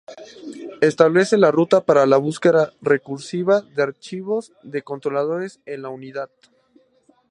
Establece la ruta para la búsqueda recursiva de archivos de controladores en la unidad.